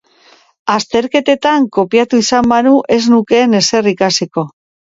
Azterketetan kopiatu izan banu ez nukeen ezer ikasiko.